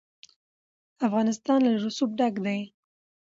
افغانستان له رسوب ډک دی.